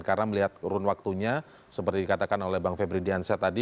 karena melihat run waktunya seperti dikatakan oleh bang febri diansyah tadi